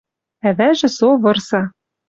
Ӓвӓжӹ со вырса